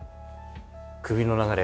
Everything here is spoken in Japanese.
首の流れ